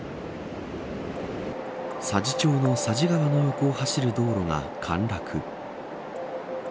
佐治町の佐治川の横を走る道路が陥落。